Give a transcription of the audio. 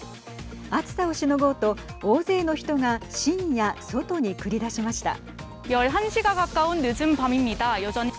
暑さをしのごうと大勢の人が深夜外に繰り出しました。